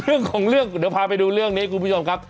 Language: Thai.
เรื่องของเรื่องเดี๋ยวพาไปดูเรื่องนี้คุณผู้ชมครับ